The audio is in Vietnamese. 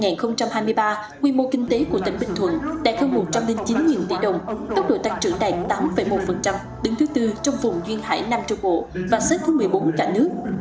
nguyên mô kinh tế của tỉnh bình thuận đạt hơn một trăm linh chín tỷ đồng tốc độ tăng trưởng đạt tám một đứng thứ tư trong vùng duyên hải nam châu cộ và xếp thứ một mươi bốn cả nước